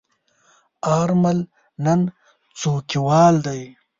آرمل نن څوکیوال دی.